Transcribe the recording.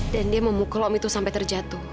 dan dia memukul om itu sampai terjatuh